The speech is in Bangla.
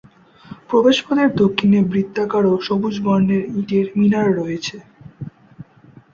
প্রবেশপথের দক্ষিণে বৃত্তাকার ও সবুজ বর্ণের ইটের মিনার রয়েছে।